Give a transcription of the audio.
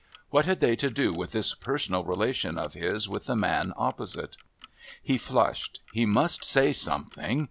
What had they to do with this personal relation of his with the man opposite? He flushed. He must say something.